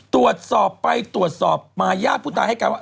ตรวจสอบไปตรวจสอบมาญาติผู้ตายให้การว่า